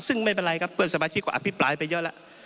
ซึ่งไม่เป็นไรครับเพื่อนสมาชิกก็อภิปรายไปเยอะแล้ว